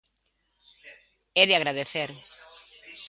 É de agradecer.